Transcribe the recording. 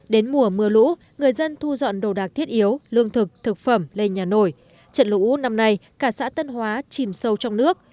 đến mùa mưa lũ người dân thu dọn đồ đạc thiết yếu lương thực thực phẩm lên nhà nổi trận lũ năm nay cả xã tân hóa chìm sâu trong nước